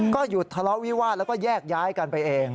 ก็หยุดทะเลาะวิวาดแล้วก็แยกย้ายกันไปเอง